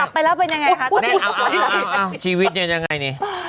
นั่นเอาชีวิตยังไงเนี่ย